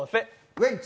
ウエンツ！